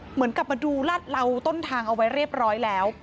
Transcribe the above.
เหมือนกลับมาดูลาดเหลาต้นทางเอาไว้เรียบร้อยแล้ว